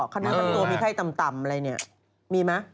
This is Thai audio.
คามิโตมีไข้ต่ำอะไรเนี่ยมีเหรอ